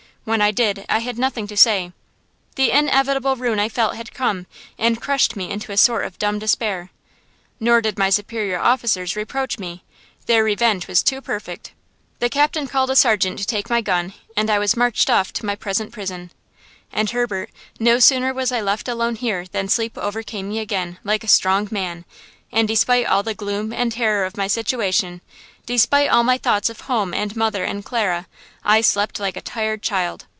When I did I had nothing to say. The inevitable ruin I felt had come, and crushed me into a sort of dumb despair. Nor did my superior officers reproach me–their revenge was too perfect. The captain called a sergeant to take my gun, and I was marched off to my present prison. And, Herbert, no sooner was I left alone here than sleep overcame me again, like a strong man, and despite all the gloom and terror of my situation, despite all my thoughts of home and mother and Clara, I slept like a tired child.